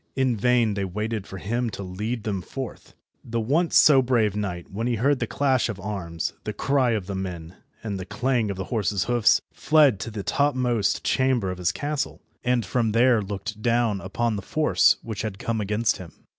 In vain they waited for him to lead them forth. The once so brave knight, when he heard the clash of arms, the cry of the men, and the clang of the horses' hoofs, fled to the topmost chamber of his castle, and from there looked down upon the force which had come against him.